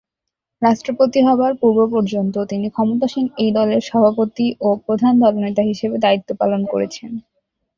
রাষ্ট্রপতি হবার পূর্ব পর্যন্ত তিনি ক্ষমতাসীন এই দলের সভাপতি ও প্রধান দলনেতা হিসেবে দায়িত্ব পালন করেছেন।